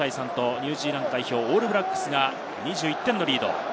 ニュージーランド代表、オールブラックスが２１点のリード。